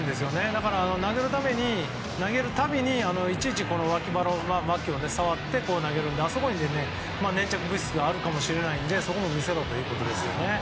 だから、投げる度いちいち脇を触って投げるので、あそこに粘着物質があるかもしれないので、そこを見せろということですよね。